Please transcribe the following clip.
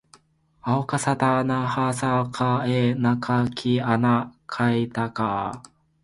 あおかさたなはさかえなかきあなかいたかあ